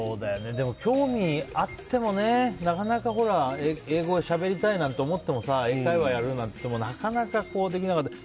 でも、興味あってもなかなか英語しゃべりたいと思っても英会話やるなんていってもなかなかできなかったり。